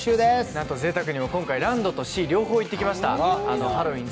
なんとぜいたくにも今回ランドとシー、両方行ってきましたハロウィーン